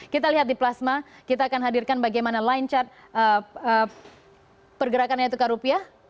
kita lihat di plasma kita akan hadirkan bagaimana line chart pergerakan nilai tukar rupiah